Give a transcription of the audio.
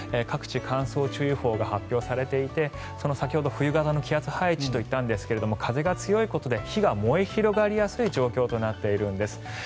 各地、乾燥注意報が発表されていて先ほど冬型の気圧配置と言ったんですが風が強いことで火が燃え広がりやすい状況となっているんです。